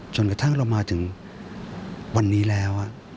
จนกระทั่งเรามาถึงวันนี้แล้ว